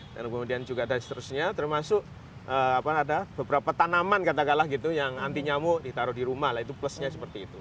dan kemudian juga ada seterusnya termasuk ada beberapa tanaman katakanlah gitu yang anti nyamuk ditaruh di rumah itu plusnya seperti itu